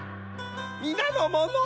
みなのもの。